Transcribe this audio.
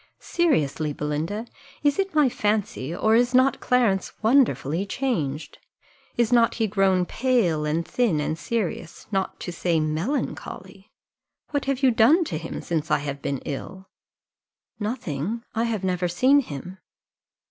Seriously, Belinda, is it my fancy, or is not Clarence wonderfully changed? Is not he grown pale, and thin, and serious, not to say melancholy? What have you done to him since I have been ill?" "Nothing I have never seen him."